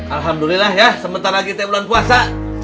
alhamdulillah ya sebentar lagi saya bulan puasa